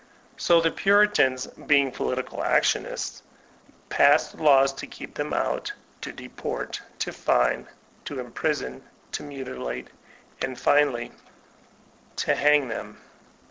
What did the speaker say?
So the Puritans, being political actionists, passed laws to keep fhem out, to deport, to fine, to imprison, to mutilate, and finally, to haog them.